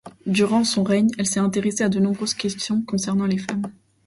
Durant son règne, elle s'est intéressée à de nombreuses questions concernant les femmes.